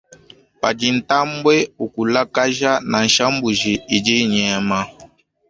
Padi ntambwe ukulakaja, nansha mbuji idi inyema.